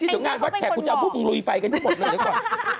เรื่องงานวัดแขกเดี๋ยวเราลุยไฟกันทั่วหมดเลยละก่อน